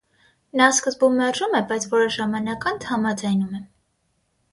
Նա սկզբում մերժում է, բայց որոշ ժամանակ անց համաձայնում է։